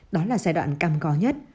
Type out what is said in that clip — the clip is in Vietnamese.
đó là giai đoạn cam gó nhất